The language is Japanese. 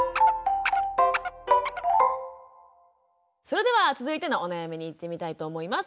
それでは続いてのお悩みにいってみたいと思います。